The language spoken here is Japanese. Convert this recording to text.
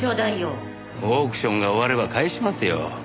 オークションが終われば返しますよ。